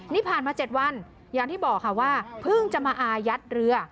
นี่ผ่านมา๗วันอย่างที่บอกค่ะว่าเพิ่งจะมาอายัดเรือ